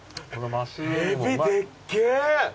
エビでっけえ！